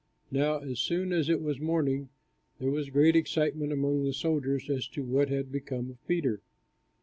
Now as soon as it was morning, there was great excitement among the soldiers, as to what had become of Peter.